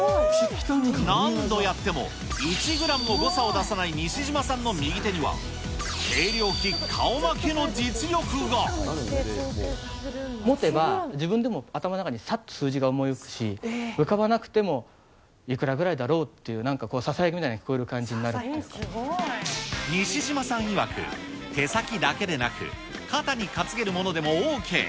何度やっても１グラムも誤差を出さない西島さんの右手には、持てば、自分でも頭の中にさっと数字が思い浮かぶし、浮かばなくても、いくらぐらいだろうっていう、なんかこう、ささやきみたいなも西島さんいわく、手先だけでなく、肩に担げるものでもＯＫ。